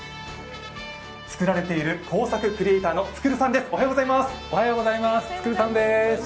作られている工作クリエーターのつくるさんです。